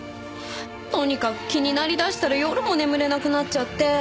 とにかく気になりだしたら夜も眠れなくなっちゃって。